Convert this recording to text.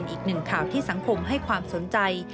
อีกหนึ่งข่าวที่สังคมให้ความสนใจ